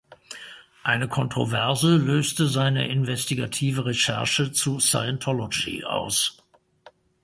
Eine Kontroverse löste seine investigative Recherche zu Scientology aus.